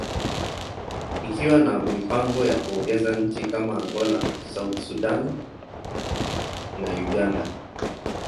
ikiwa na mipango ya kuongeza nchi kama Angola, South Sudan, and Uganda.